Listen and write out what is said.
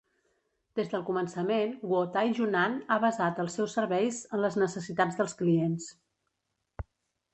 Des del començament, Guotai Junan ha basat els seus serveis en les necessitats dels clients.